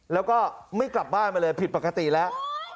แล้วก็ไม่กลับบ้านมาเลยผิดปกติแล้ว